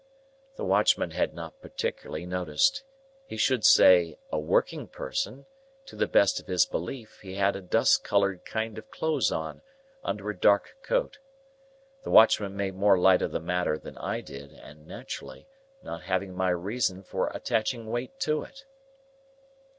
The watchman had not particularly noticed; he should say a working person; to the best of his belief, he had a dust coloured kind of clothes on, under a dark coat. The watchman made more light of the matter than I did, and naturally; not having my reason for attaching weight to it.